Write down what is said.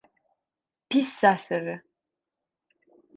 Pis serseri!